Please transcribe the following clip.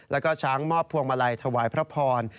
แล้วก็ช้างมอบพวงมาลัยถวายพระพร